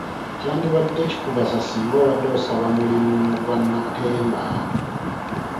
Kyandibadde kikugasa singa obadde osaba mulimu mu bannakatemba!